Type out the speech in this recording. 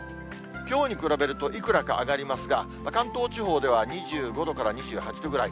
きょうに比べるといくらか上がりますが、関東地方では２５度から２８度ぐらい。